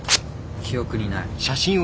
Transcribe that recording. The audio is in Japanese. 記憶にない。